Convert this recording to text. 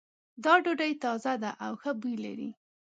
دا ډوډۍ تازه ده او ښه بوی لری